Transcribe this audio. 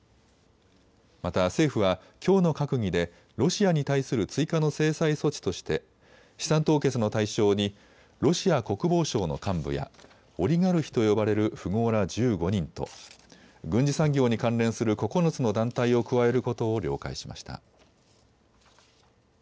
また政府はきょうの閣議でロシアに対する追加の制裁措置として資産凍結の対象にロシア国防省の幹部やオリガルヒと呼ばれる富豪ら１５人と軍事産業に関連する９つの団体を加えることを了解しました。